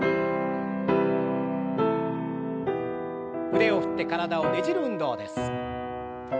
腕を振って体をねじる運動です。